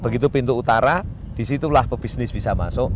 begitu pintu utara disitulah pebisnis bisa masuk